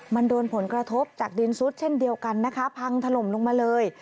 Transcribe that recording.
มันโดนผลกระทบจากดินซุดเช่นเดียวกันนะคะพังถล่มลงมาเลย